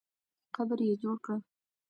قبر یې جوړ کړه.